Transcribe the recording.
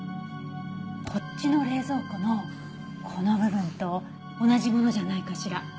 こっちの冷蔵庫のこの部分と同じものじゃないかしら。